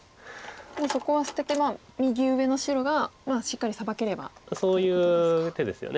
もうそこは捨てて右上の白がしっかりサバければってことですか。